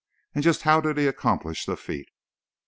And just how did he accomplish the feat?"